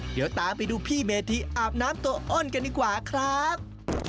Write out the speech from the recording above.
เดี๋ยวตามไปดูพี่เมธีอาบน้ำตัวอ้นกันดีกว่าครับ